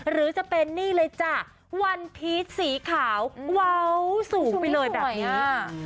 หรือจะเป็นนี่เลยจ้ะวันพีชสีขาวเว้าสูงไปเลยแบบนี้